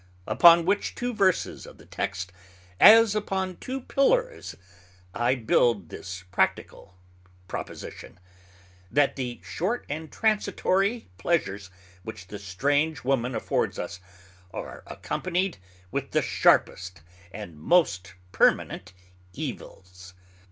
Upon which two Verses of the Text, as upon two pillars, I build this practical Proposition, _That the short and transitory pleasures which the strange woman affords us, are accompanied with the sharpest and most permanent evils.